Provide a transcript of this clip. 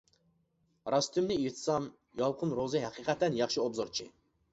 راستىمنى ئېيتسام، يالقۇن روزى ھەقىقەتەن ياخشى ئوبزورچى.